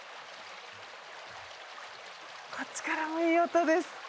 こっちからもいい音です